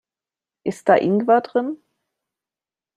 Ist da Ingwer drin?